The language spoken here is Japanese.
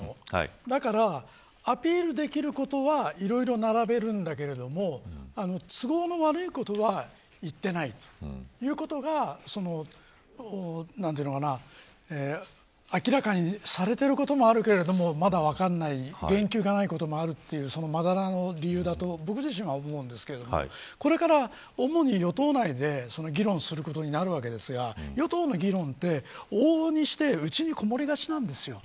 だから、アピールできることはいろいろ並べるんだけど都合の悪いことは言っていないということが明らかにされていることもあるけどまだ分からない言及がないこともあるというそのまだらの理由だと思うんですけど主に与党内でこれから議論することになるわけですが与党の議論って往々にして家にこもりがちなんです。